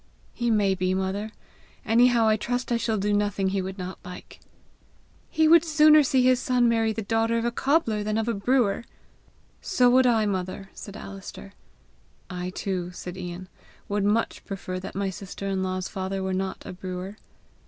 "He may be, mother! Anyhow I trust I shall do nothing he would not like!" "He would sooner see son of his marry the daughter of a cobbler than of a brewer!" "So would I, mother!" said Alister. "I too," said Ian, "would much prefer that my sister in law's father were not a brewer."